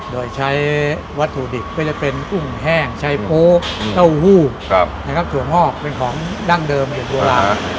โดยใช้วัตถุดิบก็จะเป็นกุ้งแห้งใช้โป๊เต้าหู้นะครับส่วนหอกเป็นของดั้งเดิมอย่างโบราณ